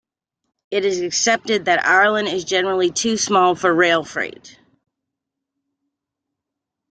It is accepted that Ireland is generally too small for rail freight.